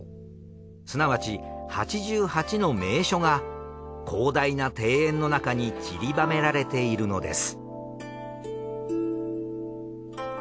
すなわち八十八の名所が広大な庭園の中に散りばめられているのです。